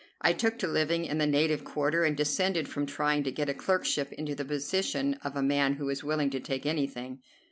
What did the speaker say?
I took to living in the native quarter, and descended from trying to get a clerkship into the position of a man who is willing to take anything.